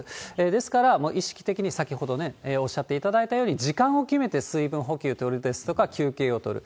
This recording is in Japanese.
ですから、もう意識的に、先ほどおっしゃっていただいたように、時間を決めて水分補給とるですとか、休憩をとる。